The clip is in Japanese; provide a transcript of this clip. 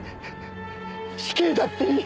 死刑だっていい。